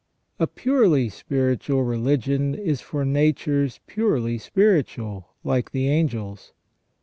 A purely spiritual religion is for natures purely spiritual like the angels.